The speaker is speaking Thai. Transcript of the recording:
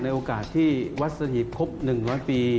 โอกาสที่วัดสถิตครบ๑๐๐ปี